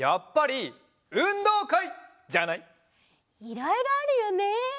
いろいろあるよね。